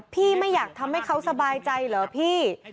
ไม่อยากทำให้เขาสบายใจเหรอพี่